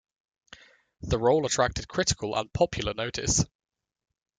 The role attracted critical and popular notice.